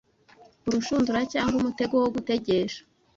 urushundura cyangwa umutego wo gutegesha